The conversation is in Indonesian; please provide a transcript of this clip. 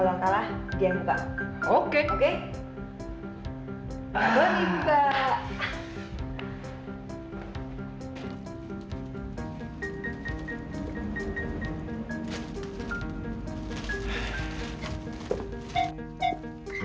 sesuai seperti yang dikoreksi